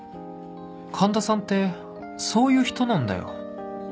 環田さんってそういう人なんだよ